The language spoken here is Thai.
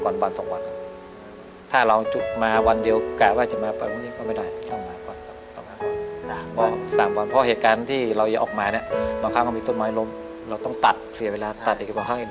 เราต้องตัดเคลียร์เวลาตัดอีกหรือบางครั้งอีกต้นไม้ล้มกลางกลาง